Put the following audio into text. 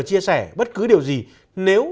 chia sẻ bất cứ điều gì nếu